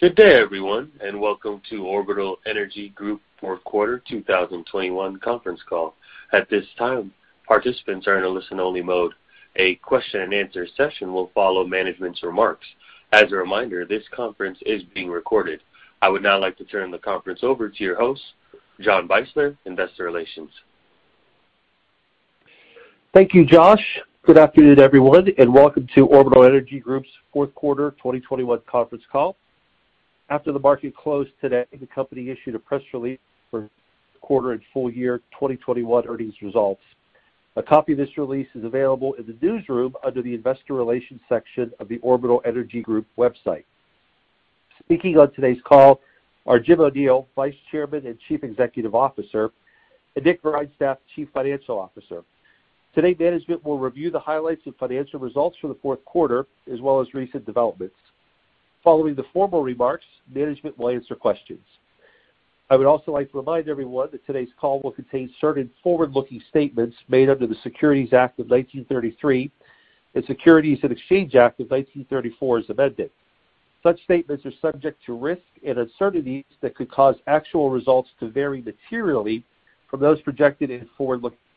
Good day, everyone, and welcome to Orbital Energy Group Fourth Quarter 2021 conference call. At this time, participants are in a listen-only mode. A question-and-answer session will follow management's remarks. As a reminder, this conference is being recorded. I would now like to turn the conference over to your host, John Beisler, Investor Relations. Thank you, Josh. Good afternoon, everyone, and welcome to Orbital Energy Group's fourth quarter 2021 conference call. After the market closed today, the company issued a press release for quarter and full year 2021 earnings results. A copy of this release is available in the Newsroom under the Investor Relations section of the orbitalenergygroup.com website. Speaking on today's call are Jim O'Neil, Vice Chairman and Chief Executive Officer, and Nick Grindstaff, Chief Financial Officer. Today, management will review the highlights and financial results for the fourth quarter as well as recent developments. Following the formal remarks, management will answer questions. I would also like to remind everyone that today's call will contain certain forward-looking statements made under the Securities Act of 1933 and Securities Exchange Act of 1934 as amended. Such statements are subject to risks and uncertainties that could cause actual results to vary materially from those projected in forward-looking statements.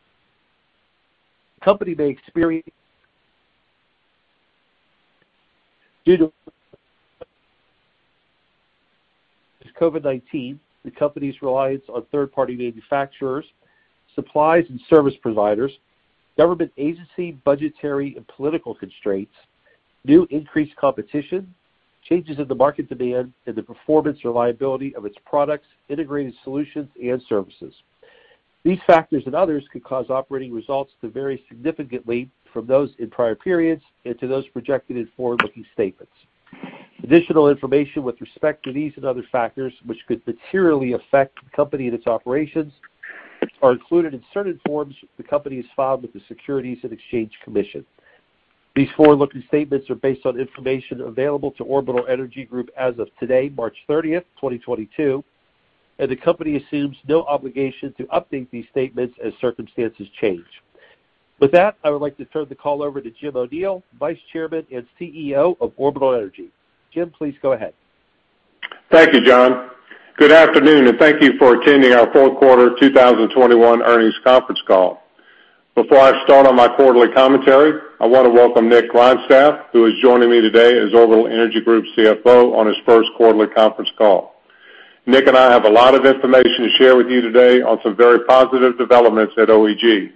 The company may experience risks due to COVID-19, the company's reliance on third-party manufacturers, suppliers, and service providers, government agency, budgetary, and political constraints, new increased competition, changes in the market demand, and the performance reliability of its products, integrated solutions, and services. These factors and others could cause operating results to vary significantly from those in prior periods and to those projected in forward-looking statements. Additional information with respect to these and other factors which could materially affect the company and its operations are included in certain forms the company has filed with the Securities and Exchange Commission. These forward-looking statements are based on information available to Orbital Energy Group as of today, March 30, 2022, and the company assumes no obligation to update these statements as circumstances change. With that, I would like to turn the call over to Jim O'Neill, Vice Chairman and CEO of Orbital Energy Group. Jim, please go ahead. Thank you, John. Good afternoon, and thank you for attending our fourth quarter 2021 earnings conference call. Before I start on my quarterly commentary, I wanna welcome Nick Grindstaff, who is joining me today as Orbital Energy Group's CFO on his first quarterly conference call. Nick and I have a lot of information to share with you today on some very positive developments at OEG.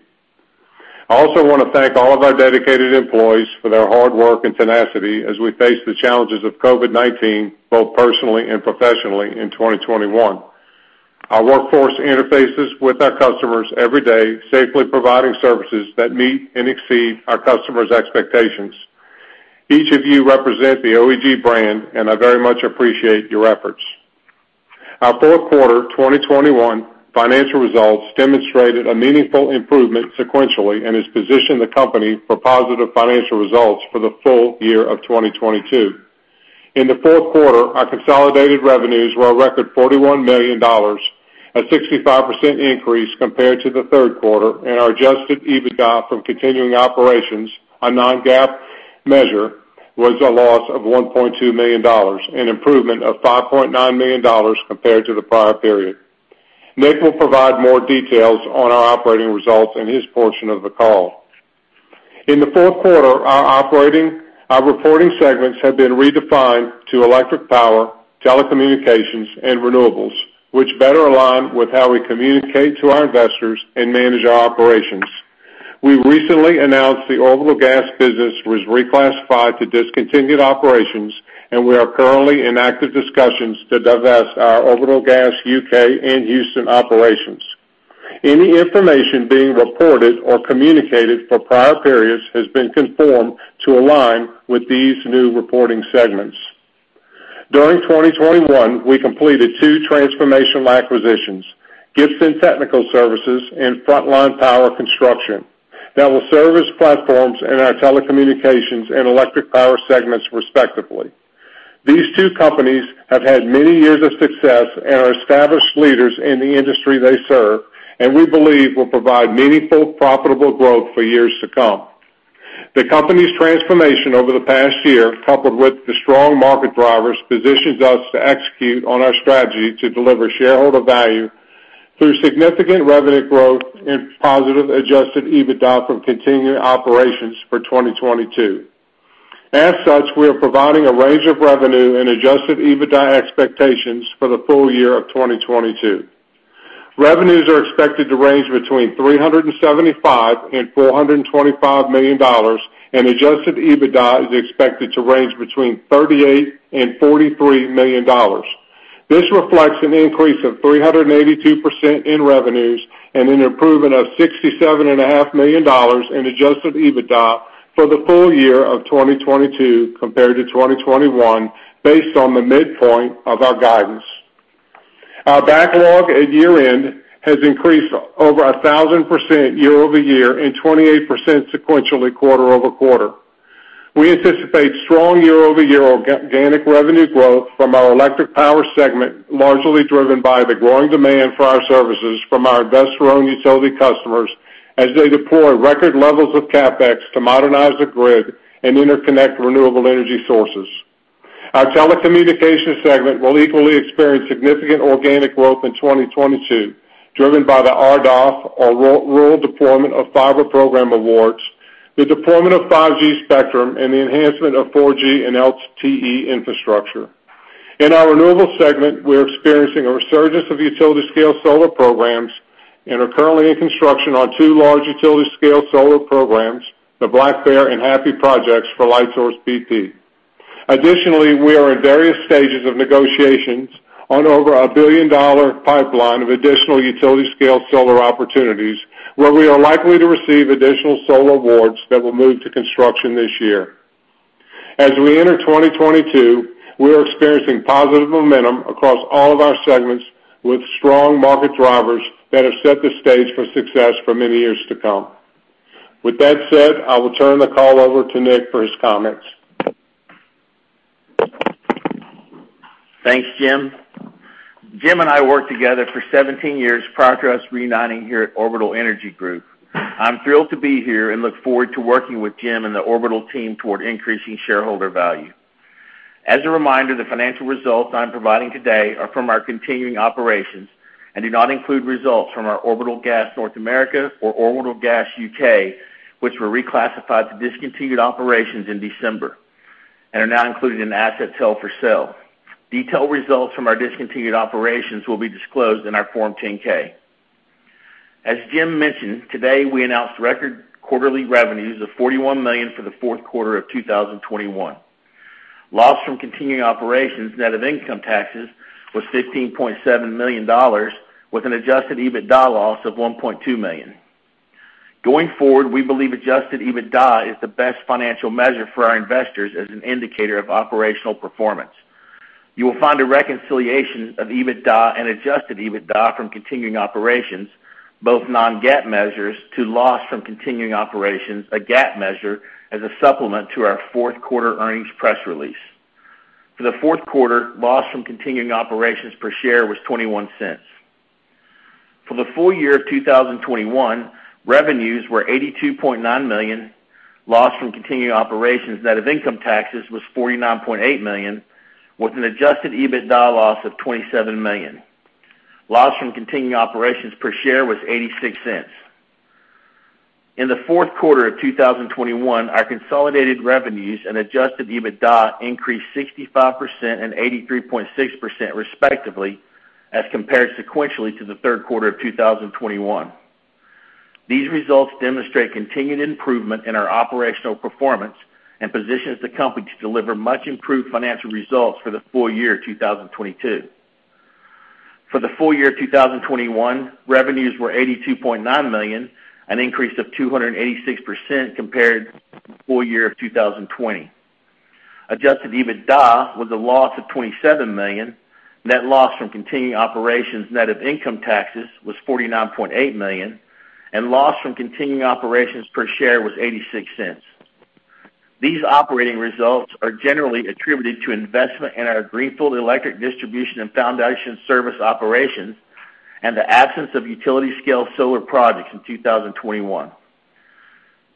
I also wanna thank all of our dedicated employees for their hard work and tenacity as we face the challenges of COVID-19, both personally and professionally, in 2021. Our workforce interfaces with our customers every day, safely providing services that meet and exceed our customers' expectations. Each of you represent the OEG brand, and I very much appreciate your efforts. Our fourth quarter 2021 financial results demonstrated a meaningful improvement sequentially and has positioned the company for positive financial results for the full year of 2022. In the fourth quarter, our consolidated revenues were a record $41 million, a 65% increase compared to the third quarter, and our adjusted EBITDA from continuing operations, a non-GAAP measure, was a loss of $1.2 million, an improvement of $5.9 million compared to the prior period. Nick will provide more details on our operating results in his portion of the call. In the fourth quarter, our reporting segments have been redefined to Electric Power, Telecommunications, and Renewables, which better align with how we communicate to our investors and manage our operations. We recently announced the Orbital Gas business was reclassified to discontinued operations, and we are currently in active discussions to divest our Orbital Gas UK and Houston operations. Any information being reported or communicated for prior periods has been conformed to align with these new reporting segments. During 2021, we completed two transformational acquisitions, Gibson Technical Services and Front Line Power Construction that will serve as platforms in our Telecommunications and Electric Power segments, respectively. These two companies have had many years of success and are established leaders in the industry they serve and we believe will provide meaningful, profitable growth for years to come. The company's transformation over the past year, coupled with the strong market drivers, positions us to execute on our strategy to deliver shareholder value through significant revenue growth and positive adjusted EBITDA from continuing operations for 2022. As such, we are providing a range of revenue and adjusted EBITDA expectations for the full year of 2022. Revenues are expected to range between $375 million and $425 million, and adjusted EBITDA is expected to range between $38 million and $43 million. This reflects an increase of 382% in revenues and an improvement of $67.5 million in adjusted EBITDA for the full year of 2022 compared to 2021, based on the midpoint of our guidance. Our backlog at year-end has increased over 1,000% year-over-year and 28% sequentially quarter-over-quarter. We anticipate strong year-over-year organic revenue growth from our Electric Power segment, largely driven by the growing demand for our services from our fastest-growing utility customers as they deploy record levels of CapEx to modernize the grid and interconnect renewable energy sources. Our telecommunications segment will equally experience significant organic growth in 2022, driven by the RDOF, or Rural Digital Opportunity Fund program awards, the deployment of 5G spectrum, and the enhancement of 4G and LTE infrastructure. In our renewables segment, we are experiencing a resurgence of utility-scale solar programs and are currently in construction on two large utility-scale solar programs, the Black Bear and Happy projects for Lightsource bp. Additionally, we are in various stages of negotiations on over a billion-dollar pipeline of additional utility-scale solar opportunities, where we are likely to receive additional solar awards that will move to construction this year. As we enter 2022, we are experiencing positive momentum across all of our segments, with strong market drivers that have set the stage for success for many years to come. With that said, I will turn the call over to Nick for his comments. Thanks, Jim. Jim and I worked together for 17 years prior to us reuniting here at Orbital Energy Group. I'm thrilled to be here and look forward to working with Jim and the Orbital team toward increasing shareholder value. As a reminder, the financial results I'm providing today are from our continuing operations and do not include results from our Orbital Gas North America or Orbital Gas UK, which were reclassified to discontinued operations in December and are now included in assets held for sale. Detailed results from our discontinued operations will be disclosed in our Form 10-K. As Jim mentioned, today we announced record quarterly revenues of $41 million for the fourth quarter of 2021. Loss from continuing operations, net of income taxes, was $15.7 million, with an adjusted EBITDA loss of $1.2 million. Going forward, we believe adjusted EBITDA is the best financial measure for our investors as an indicator of operational performance. You will find a reconciliation of EBITDA and adjusted EBITDA from continuing operations, both non-GAAP measures, to loss from continuing operations, a GAAP measure, as a supplement to our fourth quarter earnings press release. For the fourth quarter, loss from continuing operations per share was $0.21. For the full year of 2021, revenues were $82.9 million. Loss from continuing operations, net of income taxes, was $49.8 million, with an adjusted EBITDA loss of $27 million. Loss from continuing operations per share was $0.86. In the fourth quarter of 2021, our consolidated revenues and adjusted EBITDA increased 65% and 83.6% respectively as compared sequentially to the third quarter of 2021. These results demonstrate continued improvement in our operational performance and positions the company to deliver much improved financial results for the full year 2022. For the full year 2021, revenues were $82.9 million, an increase of 286% compared to the full year of 2020. Adjusted EBITDA was a loss of $27 million. Net loss from continuing operations, net of income taxes, was $49.8 million, and loss from continuing operations per share was $0.86. These operating results are generally attributed to investment in our greenfield electric distribution and foundation service operations and the absence of utility-scale solar projects in 2021.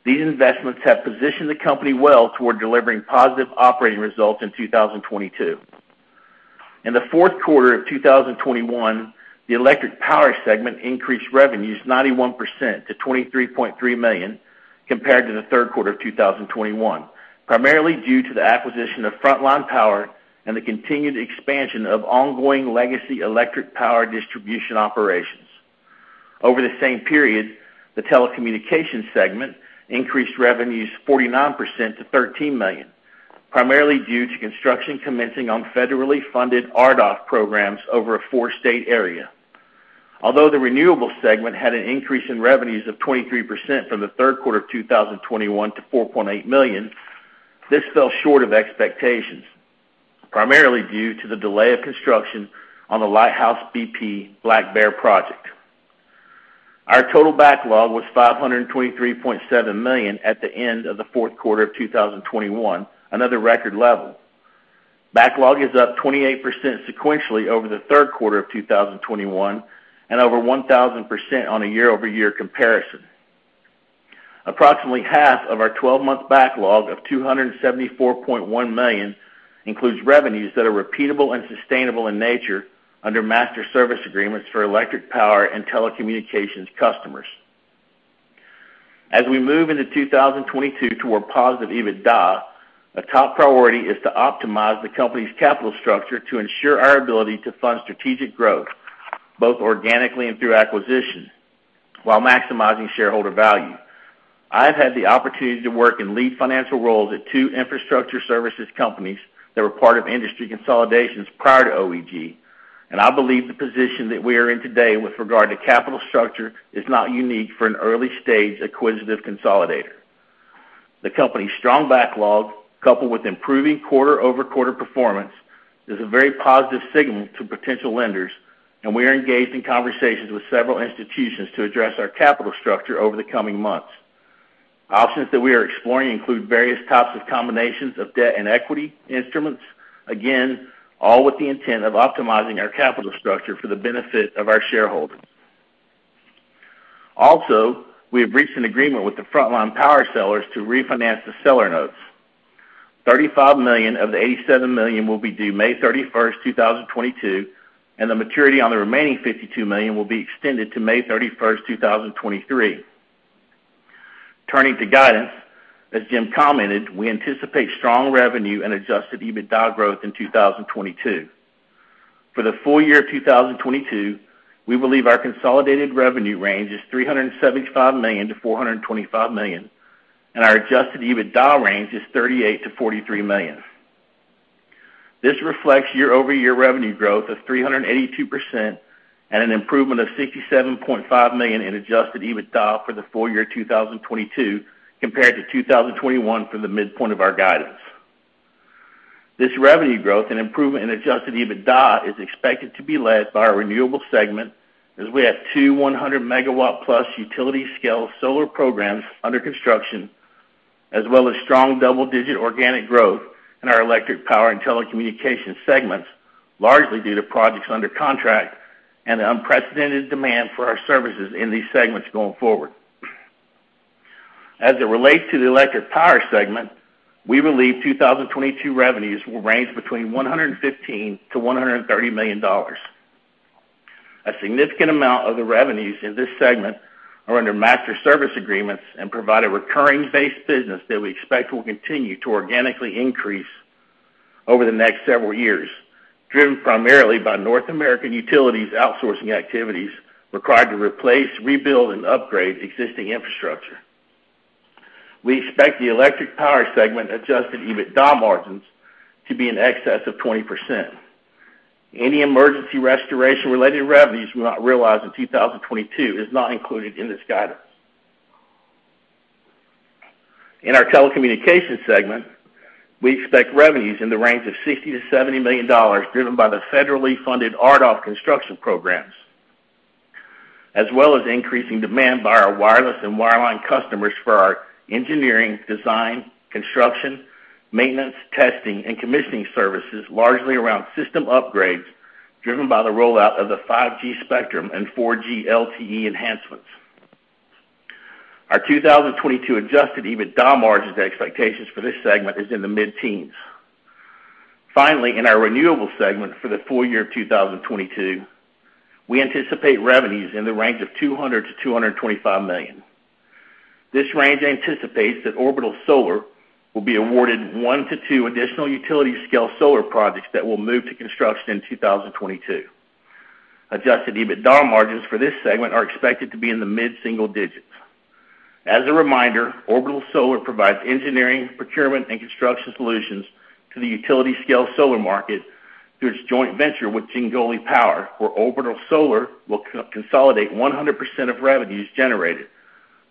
These investments have positioned the company well toward delivering positive operating results in 2022. In the fourth quarter of 2021, the electric power segment increased revenues 91% to $23.3 million compared to the third quarter of 2021, primarily due to the acquisition of Front Line Power and the continued expansion of ongoing legacy electric power distribution operations. Over the same period, the telecommunications segment increased revenues 49% to $13 million, primarily due to construction commencing on federally funded RDOF programs over a four-state area. Although the renewables segment had an increase in revenues of 23% from the third quarter of 2021 to $4.8 million, this fell short of expectations, primarily due to the delay of construction on the Lightsource bp Black Bear project. Our total backlog was $523.7 million at the end of the fourth quarter of 2021, another record level. Backlog is up 28% sequentially over the third quarter of 2021 and over 1,000% on a year-over-year comparison. Approximately half of our 12-month backlog of $274.1 million includes revenues that are repeatable and sustainable in nature under master service agreements for electric power and telecommunications customers. As we move into 2022 toward positive EBITDA, a top priority is to optimize the company's capital structure to ensure our ability to fund strategic growth, both organically and through acquisition, while maximizing shareholder value. I've had the opportunity to work in lead financial roles at two infrastructure services companies that were part of industry consolidations prior to OEG, and I believe the position that we are in today with regard to capital structure is not unique for an early-stage acquisitive consolidator. The company's strong backlog, coupled with improving quarter-over-quarter performance, is a very positive signal to potential lenders, and we are engaged in conversations with several institutions to address our capital structure over the coming months. Options that we are exploring include various types of combinations of debt and equity instruments. Again, all with the intent of optimizing our capital structure for the benefit of our shareholders. Also, we have reached an agreement with the Front Line Power sellers to refinance the seller notes. $35 million of the $87 million will be due May 31, 2022, and the maturity on the remaining $52 million will be extended to May 31, 2023. Turning to guidance, as Jim commented, we anticipate strong revenue and adjusted EBITDA growth in 2022. For the full year of 2022, we believe our consolidated revenue range is $375 million-$425 million, and our adjusted EBITDA range is $38 million-$43 million. This reflects year-over-year revenue growth of 382% and an improvement of $67.5 million in adjusted EBITDA for the full year 2022 compared to 2021 for the midpoint of our guidance. This revenue growth and improvement in adjusted EBITDA is expected to be led by our renewable segment as we have two 100-megawatt+ utility-scale solar programs under construction, as well as strong double-digit organic growth in our electric power and telecommunications segments, largely due to projects under contract and the unprecedented demand for our services in these segments going forward. As it relates to the Electric Power segment, we believe 2022 revenues will range between $115 million-$130 million. A significant amount of the revenues in this segment are under master service agreements and provide a recurring base business that we expect will continue to organically increase over the next several years, driven primarily by North American utilities outsourcing activities required to replace, rebuild, and upgrade existing infrastructure. We expect the Electric Power segment adjusted EBITDA margins to be in excess of 20%. Any emergency restoration-related revenues we might realize in 2022 is not included in this guidance. In our telecommunications segment, we expect revenues in the range of $60 million-$70 million, driven by the federally funded RDOF construction programs, as well as increasing demand by our wireless and wireline customers for our engineering, design, construction, maintenance, testing, and commissioning services, largely around system upgrades driven by the rollout of the 5G spectrum and 4G LTE enhancements. Our 2022 adjusted EBITDA margins expectations for this segment is in the mid-teens. Finally, in our renewable segment for the full year of 2022, we anticipate revenues in the range of $200 million-$225 million. This range anticipates that Orbital Solar will be awarded 1-2 additional utility-scale solar projects that will move to construction in 2022. Adjusted EBITDA margins for this segment are expected to be in the mid-single digits. As a reminder, Orbital Solar Services provides engineering, procurement, and construction solutions to the utility-scale solar market through its joint venture with Jingoli Power, where Orbital Solar Services will consolidate 100% of revenues generated,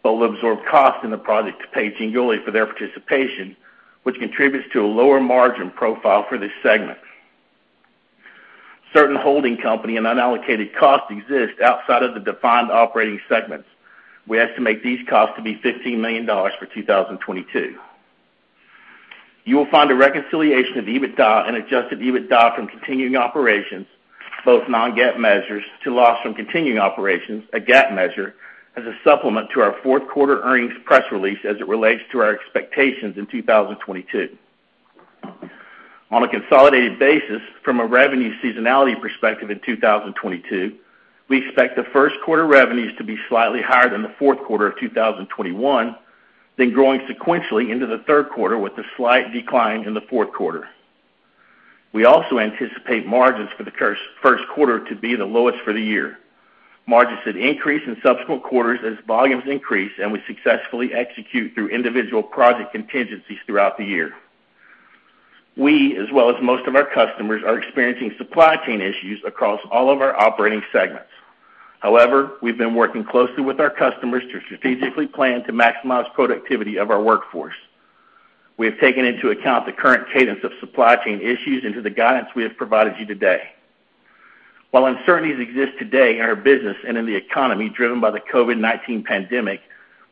but will absorb costs in the project to pay Jingoli for their participation, which contributes to a lower margin profile for this segment. Certain holding company and unallocated costs exist outside of the defined operating segments. We estimate these costs to be $15 million for 2022. You will find a reconciliation of EBITDA and adjusted EBITDA from continuing operations, both non-GAAP measures, to loss from continuing operations, a GAAP measure, as a supplement to our fourth quarter earnings press release as it relates to our expectations in 2022. On a consolidated basis, from a revenue seasonality perspective in 2022, we expect the first quarter revenues to be slightly higher than the fourth quarter of 2021, then growing sequentially into the third quarter with a slight decline in the fourth quarter. We also anticipate margins for the first quarter to be the lowest for the year. Margins should increase in subsequent quarters as volumes increase, and we successfully execute through individual project contingencies throughout the year. We, as well as most of our customers, are experiencing supply chain issues across all of our operating segments. However, we've been working closely with our customers to strategically plan to maximize productivity of our workforce. We have taken into account the current cadence of supply chain issues into the guidance we have provided you today. While uncertainties exist today in our business and in the economy driven by the COVID-19 pandemic,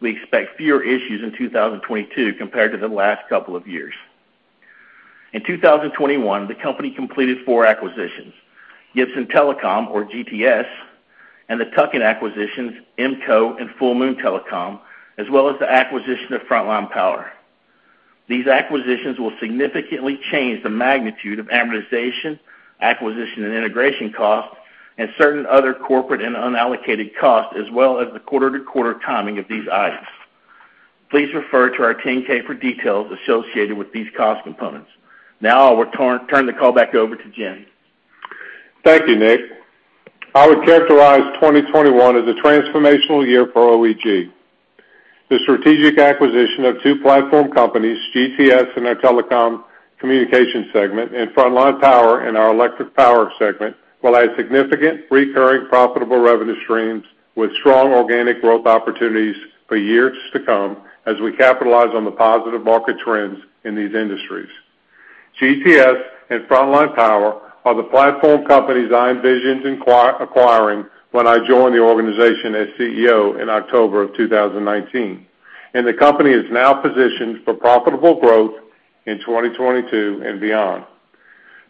we expect fewer issues in 2022 compared to the last couple of years. In 2021, the company completed four acquisitions, Gibson Technical Services, or GTS, and the tuck-in acquisitions, IMMCO and Full Moon Telecom, as well as the acquisition of Front Line Power. These acquisitions will significantly change the magnitude of amortization, acquisition and integration costs, and certain other corporate and unallocated costs, as well as the quarter-to-quarter timing of these items. Please refer to our 10-K for details associated with these cost components. Now, I will turn the call back over to Jim. Thank you, Nick. I would characterize 2021 as a transformational year for OEG. The strategic acquisition of two platform companies, GTS in our telecom communication segment and Front Line Power in our electric power segment, will add significant recurring profitable revenue streams with strong organic growth opportunities for years to come as we capitalize on the positive market trends in these industries. GTS and Front Line Power are the platform companies I envisioned acquiring when I joined the organization as CEO in October of 2019, and the company is now positioned for profitable growth in 2022 and beyond.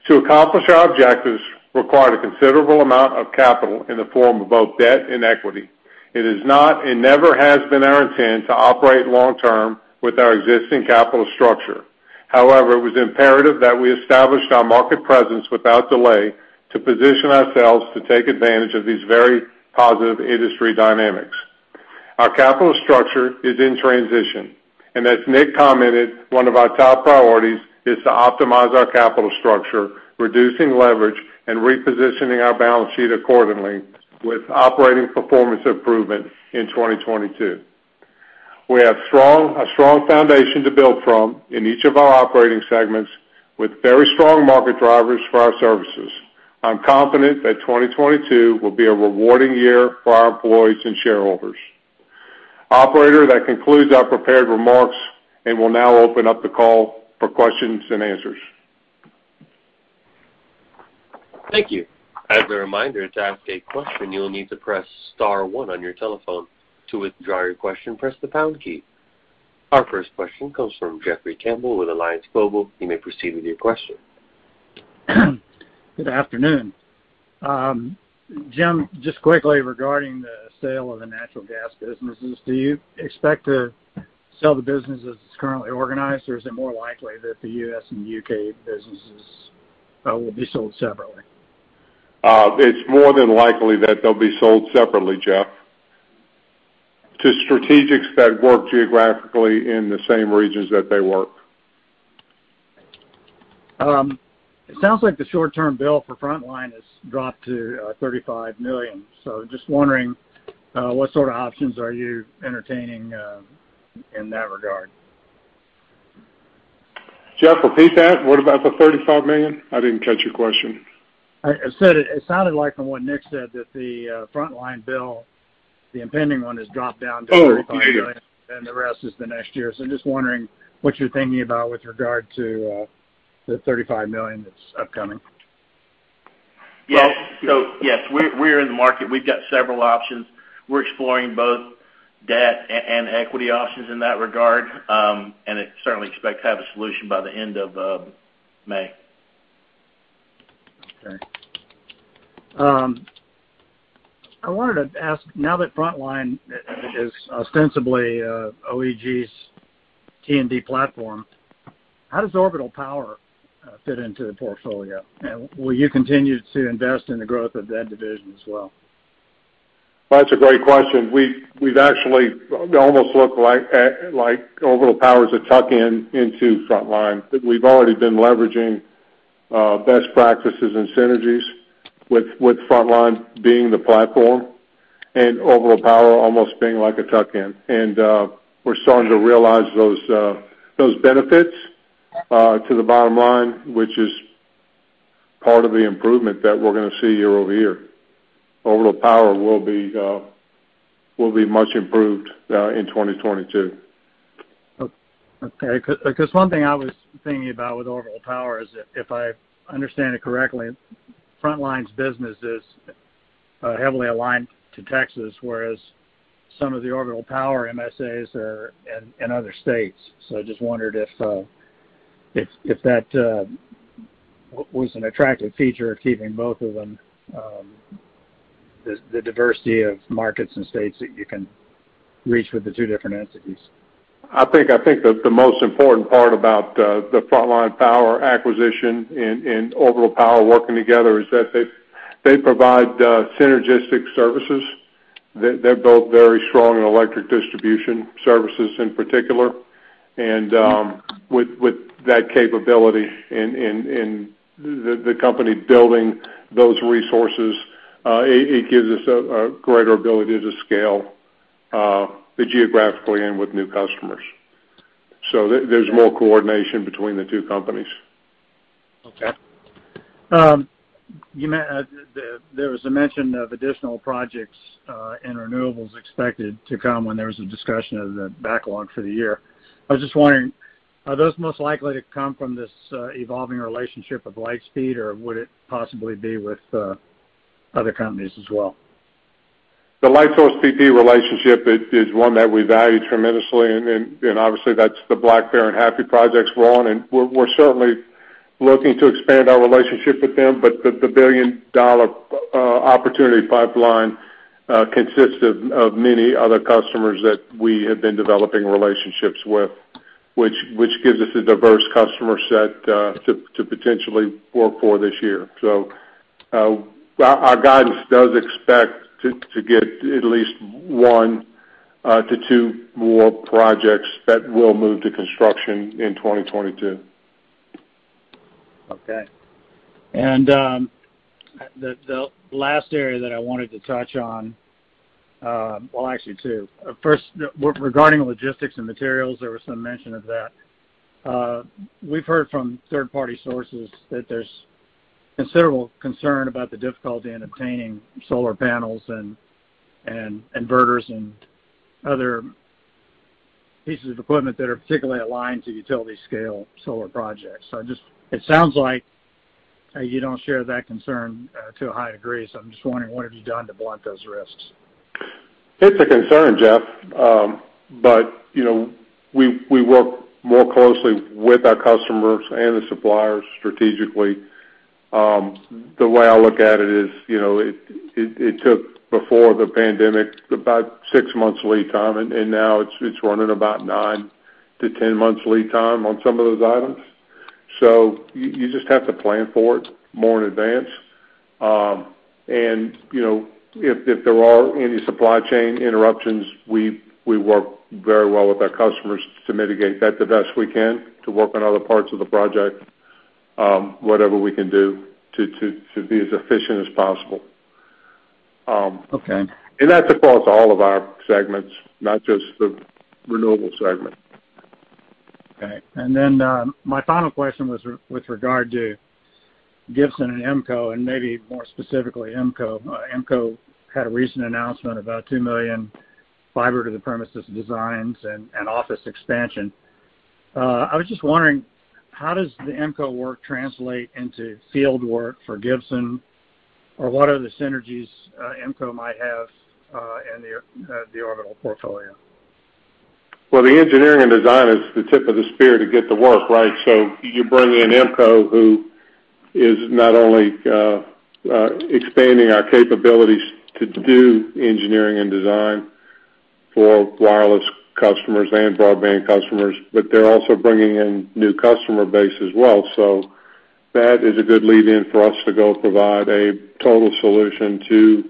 To accomplish our objectives required a considerable amount of capital in the form of both debt and equity. It is not, and never has been our intent to operate long term with our existing capital structure. However, it was imperative that we established our market presence without delay to position ourselves to take advantage of these very positive industry dynamics. Our capital structure is in transition, and as Nick commented, one of our top priorities is to optimize our capital structure, reducing leverage and repositioning our balance sheet accordingly with operating performance improvement in 2022. We have a strong foundation to build from in each of our operating segments with very strong market drivers for our services. I'm confident that 2022 will be a rewarding year for our employees and shareholders. Operator, that concludes our prepared remarks, and we'll now open up the call for questions and answers. Thank you. As a reminder, to ask a question, you will need to press star one on your telephone. To withdraw your question, press the pound key. Our first question comes from Jeffrey Campbell with Alliance Global Partners. You may proceed with your question. Good afternoon. Jim, just quickly regarding the sale of the natural gas businesses, do you expect to sell the business as it's currently organized, or is it more likely that the U.S. and U.K. businesses will be sold separately? It's more than likely that they'll be sold separately, Jeff, to strategics that work geographically in the same regions that they work. It sounds like the short-term bill for Front Line has dropped to $35 million. Just wondering what sort of options are you entertaining in that regard? Jeff, repeat that. What about the $35 million? I didn't catch your question. I said it sounded like from what Nick said that the Front Line bill, the impending one, has dropped down to $35 million- Oh, okay.... the rest is the next year. I'm just wondering what you're thinking about with regard to the $35 million that's upcoming? Yes. Yes, we are in the market. We've got several options. We're exploring both debt and equity options in that regard, and certainly expect to have a solution by the end of May. Okay. I wanted to ask, now that Front Line is ostensibly OEG's T&D platform, how does Orbital Power fit into the portfolio? Will you continue to invest in the growth of that division as well? Well, that's a great question. We've actually almost looks like Orbital Power is a tuck-in into Front Line. We've already been leveraging best practices and synergies with Front Line being the platform and Orbital Power almost being like a tuck-in. We're starting to realize those benefits to the bottom line, which is part of the improvement that we're gonna see year-over-year. Orbital Power will be much improved in 2022. Okay. Because one thing I was thinking about with Orbital Power is if I understand it correctly, Front Line's business is heavily aligned to Texas, whereas some of the Orbital Power MSAs are in other states. I just wondered if that was an attractive feature keeping both of them, the diversity of markets and states that you can reach with the two different entities. I think the most important part about the Front Line Power acquisition and Orbital Power working together is that they provide synergistic services. They're both very strong in electric distribution services in particular. With that capability in the company building those resources, it gives us a greater ability to scale geographically and with new customers. There's more coordination between the two companies. Okay. There was a mention of additional projects in renewables expected to come when there was a discussion of the backlog for the year. I was just wondering, are those most likely to come from this evolving relationship with Lightsource bp, or would it possibly be with other companies as well? The Lightsource bp relationship is one that we value tremendously, and obviously, that's the Black Bear and Happy Projects rolling, and we're certainly looking to expand our relationship with them. The billion-dollar opportunity pipeline consists of many other customers that we have been developing relationships with, which gives us a diverse customer set to potentially work for this year. Our guidance does expect to get at least one to two more projects that will move to construction in 2022. Okay. The last area that I wanted to touch on. Well, actually two. First, regarding logistics and materials, there was some mention of that. We've heard from third-party sources that there's considerable concern about the difficulty in obtaining solar panels and inverters and other pieces of equipment that are particularly aligned to utility-scale solar projects. It sounds like you don't share that concern to a high degree. I'm just wondering, what have you done to blunt those risks? It's a concern, Jeff. You know, we work more closely with our customers and the suppliers strategically. The way I look at it is, you know, it took before the pandemic about six months lead time, and now it's running about nine to 10 months lead time on some of those items. You just have to plan for it more in advance. You know, if there are any supply chain interruptions, we work very well with our customers to mitigate that the best we can to work on other parts of the project, whatever we can do to be as efficient as possible. Okay. That's across all of our segments, not just the renewable segment. Okay. My final question was with regard to Gibson and IMMCO, and maybe more specifically IMMCO. IMMCO had a recent announcement about 2 million fiber to the premises designs and office expansion. I was just wondering, how does the IMMCO work translate into field work for Gibson? Or what are the synergies IMMCO might have in the Orbital portfolio? Well, the engineering and design is the tip of the spear to get the work, right? You bring in IMMCO, who is not only expanding our capabilities to do engineering and design for wireless customers and broadband customers, but they're also bringing in new customer base as well. That is a good lead in for us to go provide a total solution to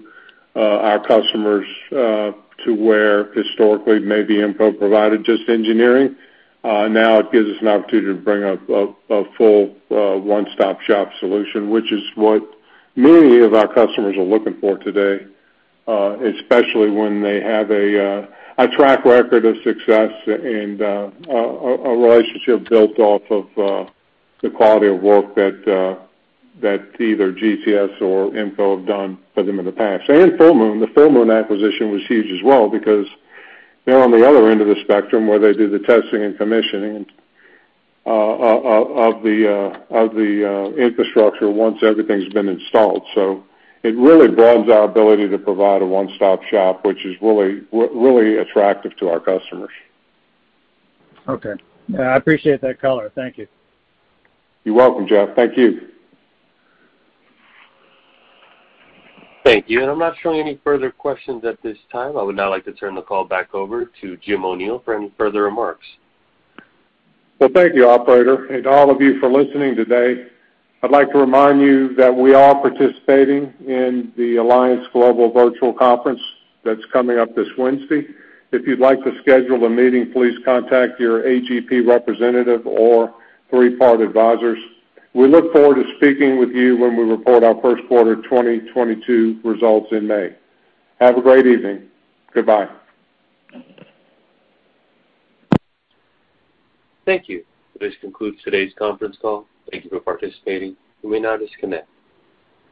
our customers to where historically maybe IMMCO provided just engineering. Now it gives us an opportunity to bring a full one-stop-shop solution, which is what many of our customers are looking for today, especially when they have a track record of success and a relationship built off of the quality of work that either GTS or IMMCO have done for them in the past. Full Moon. The Full Moon acquisition was huge as well because they're on the other end of the spectrum where they do the testing and commissioning of the infrastructure once everything's been installed. It really broadens our ability to provide a one-stop shop, which is really attractive to our customers. Okay. I appreciate that color. Thank you. You're welcome, Jeff. Thank you. Thank you. I'm not showing any further questions at this time. I would now like to turn the call back over to Jim O'Neil for any further remarks. Well, thank you, operator, and all of you for listening today. I'd like to remind you that we are participating in the Alliance Global Partners Virtual Conference that's coming up this Wednesday. If you'd like to schedule a meeting, please contact your AGP representative or Three Part Advisors. We look forward to speaking with you when we report our first quarter 2022 results in May. Have a great evening. Goodbye. Thank you. This concludes today's conference call. Thank you for participating. You may now disconnect.